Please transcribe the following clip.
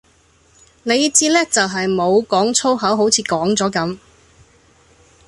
你至叻就系冇講粗口好似講咗噉